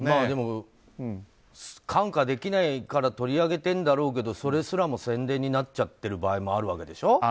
でも、看過できないから取り上げてるんだろうけどそれすらも宣伝になっちゃってる場合もあるわけでしょ。